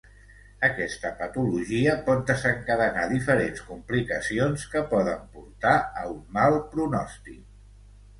Aquesta patologia pot desencadenar diferents complicacions que poden portar a un mal pronòstic.